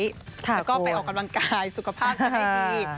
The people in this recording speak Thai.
แล้วก็ไปออกกำลังกายสุขภาพใจดี